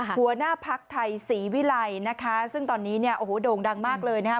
หัวหน้าภักดิ์ไทยศรีวิลัยนะคะซึ่งตอนนี้เนี่ยโอ้โหโด่งดังมากเลยนะคะ